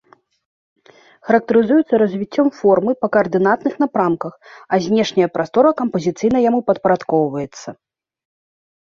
Характарызуецца развіццём формы па каардынатных напрамках, а знешняя прастора кампазіцыйна яму падпарадкоўваецца.